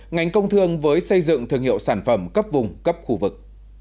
ngành công thương với xây dựng thương hiệu sản phẩm cấp vùng cấp khu vực